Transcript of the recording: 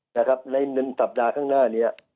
ใน๑สัปดาห์ข้างหน้านี้